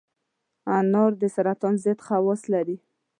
انار د سرطان ضد خواص لري.